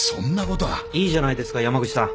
いいじゃないですか山口さん。